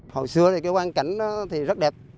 hồi xưa thì cái quan cảnh rất đẹp